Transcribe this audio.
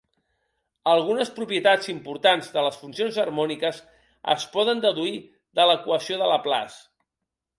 Algunes propietats importants de les funcions harmòniques es poden deduir de l'equació de Laplace.